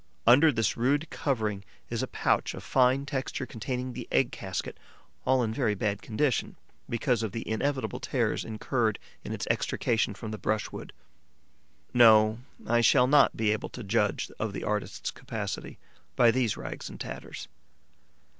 Under this rude covering is a pouch of fine texture containing the egg casket, all in very bad condition, because of the inevitable tears incurred in its extrication from the brushwood. No, I shall not be able to judge of the artist's capacity by these rags and tatters.